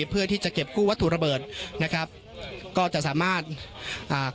เพื่อที่จะเก็บกู้วัตถุระเบิดนะครับก็จะสามารถอ่า